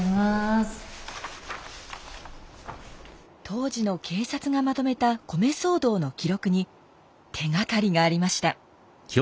当時の警察がまとめた米騒動の記録に手がかりがありました。